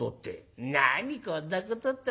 こんなことって」。